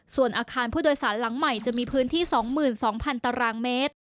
ส่วนอาคารผู้โดยสารหลังใหม่จะมีพื้นที่๒๒๐๐ตารางเมตร